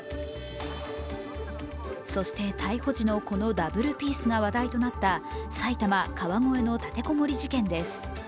そして逮捕時のこのダブルピースが話題となった埼玉・川越の立て籠もり事件です。